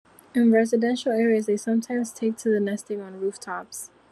In residential areas, they sometimes take to nesting on roof-tops.